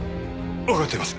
わかっています。